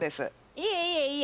いえいえいえ。